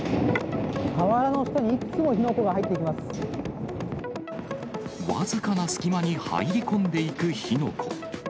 瓦の下にいくつも火の粉が入僅かな隙間に入り込んでいく火の粉。